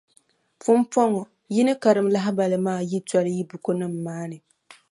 Pumpɔŋɔ, yi ni karim lahibali maa yi toli yi bukunima maa ni.